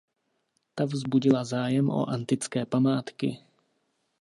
Ta vzbudila zájem o antické památky.